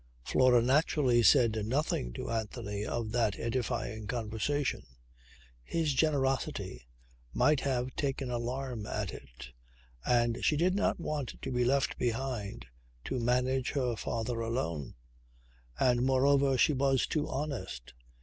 Flora naturally said nothing to Anthony of that edifying conversation. His generosity might have taken alarm at it and she did not want to be left behind to manage her father alone. And moreover she was too honest.